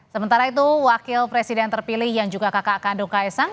sementara itu wakil presiden terpilih yang juga kakak kandung kaisang